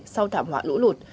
sau thảm họa lũ lụt